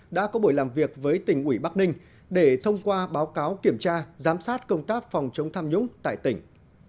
đã có buổi làm việc với tỉnh ủy bắc ninh để thông qua báo cáo kiểm tra giám sát công tác phòng chống tham nhũng tại tỉnh